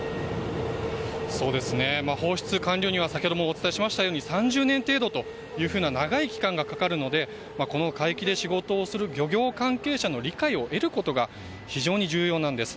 放出完了には先ほどもお伝えしましたように３０年程度というふうな長い期間がかかるのでこの海域で仕事をする漁業関係者の理解を得ることが非常に重要なんです。